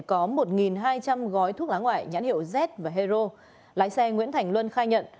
có một hai trăm linh gói thuốc lá ngoại nhãn hiệu z và hero lái xe nguyễn thành luân khai nhận